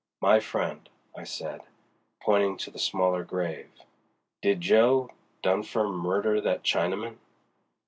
"My friend," I said, pointing to the smaller grave, "did Jo. Dunfer murder that Chinaman?"